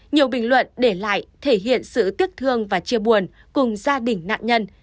nhiều bình luận để lại thể hiện sự tiếc thương và chia buồn cùng gia đình nạn nhân